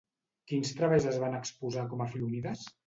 Quins treballs es van exposar com a Filonides?